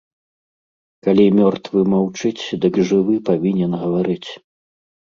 Калі мёртвы маўчыць, дык жывы павінен гаварыць.